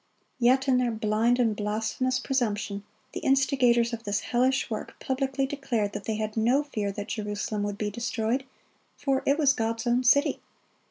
Yet in their blind and blasphemous presumption the instigators of this hellish work publicly declared that they had no fear that Jerusalem would be destroyed, for it was God's own city.